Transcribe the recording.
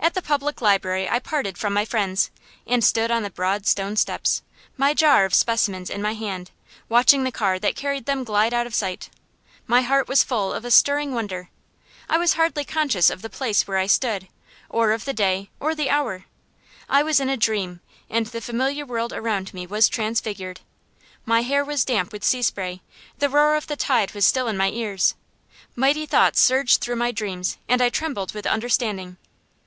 At the Public Library I parted from my friends, and stood on the broad stone steps, my jar of specimens in my hand, watching the car that carried them glide out of sight. My heart was full of a stirring wonder. I was hardly conscious of the place where I stood, or of the day, or the hour. I was in a dream, and the familiar world around me was transfigured. My hair was damp with sea spray; the roar of the tide was still in my ears. Mighty thoughts surged through my dreams, and I trembled with understanding.